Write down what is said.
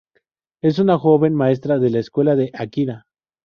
Es una joven maestra de la escuela de Akira.